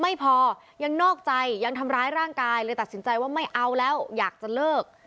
ไม่พอยังนอกใจยังทำร้ายร่างกายเลยตัดสินใจว่าไม่เอาแล้วอยากจะเลิก